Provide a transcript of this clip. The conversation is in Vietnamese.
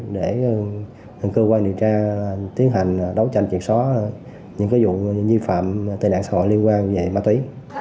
để cơ quan điều tra tiến hành đấu tranh triệt xó những vụ như phạm tệ nạn xã hội liên quan về ma túy